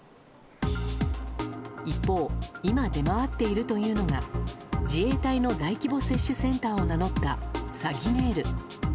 一方、今出回っているというのが自衛隊の大規模接種センターを名乗った詐欺メール。